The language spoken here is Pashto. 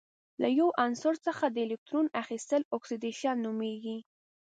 له یو عنصر څخه د الکترون اخیستل اکسیدیشن نومیږي.